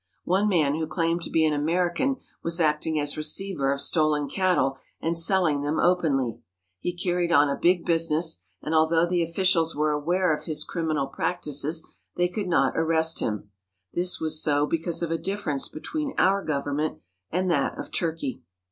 One man who claimed to be an American was acting as receiver of stolen cattle, and selling them openly. He carried on a big business, and although the officials were aware of his criminal practices they could not arrest him. This was so because of a difference be tween our government and that of Turkey.